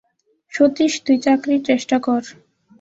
সতীশ, তুই চাকরির চেষ্টা কর।